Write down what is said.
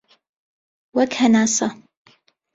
وەک هەناسە